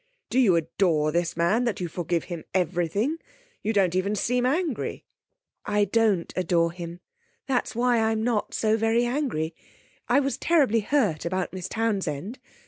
Do you adore this man, that you forgive him everything? You don't even seem angry.' 'I don't adore him, that is why I'm not so very angry. I was terribly hurt about Miss Townsend.